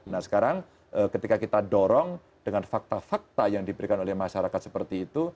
nah sekarang ketika kita dorong dengan fakta fakta yang diberikan oleh masyarakat seperti itu